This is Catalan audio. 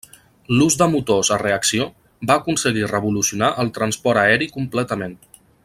L'ús de motors a reacció va aconseguir revolucionar el transport aeri completament.